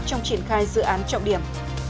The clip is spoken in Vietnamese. trong triển khai dự án trọng điểm